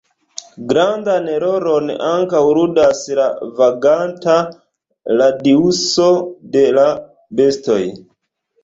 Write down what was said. Grandan rolon ankaŭ ludas la vaganta radiuso de la bestoj.